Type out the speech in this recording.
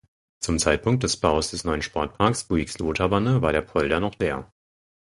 Zum Zeitpunkt des Baus des neuen Sportparks Buiksloterbanne war der Polder noch leer.